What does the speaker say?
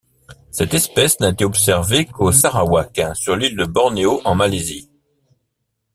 Cette espèce n'a été observée qu'au Sarawak, sur l'île de Bornéo en Malaisie.